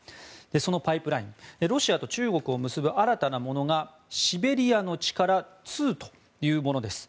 そのパイプラインロシアと中国を結ぶ新たなものがシベリアの力２というものです。